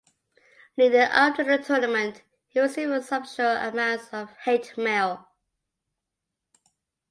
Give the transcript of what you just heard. Leading up to the tournament he received substantial amounts of hate mail.